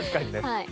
はい。